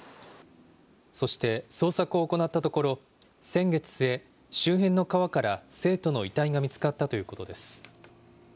そして、捜索を行ったところ、先月末、周辺の川から生徒の遺体が見つかったということです。